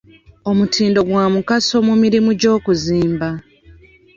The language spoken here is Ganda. Omutindo gwa mugaso mu mirimu gy'okuzimba.